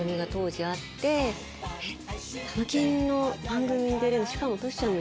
「えっ」。